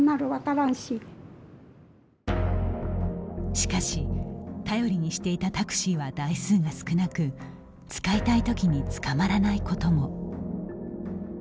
しかし、頼りにしていたタクシーは台数が少なく使いたいときにつかまらないことも。